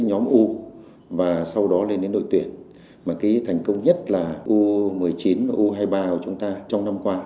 nhóm u và sau đó lên đến đội tuyển mà cái thành công nhất là u một mươi chín và u hai mươi ba của chúng ta trong năm qua